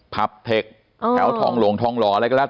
ผับเทคแถวทองหลงทองหล่ออะไรก็แล้ว